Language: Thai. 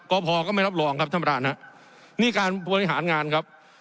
ก็พอก็ไม่รับรองครับท่านประธานฮะนี่การบริหารงานครับ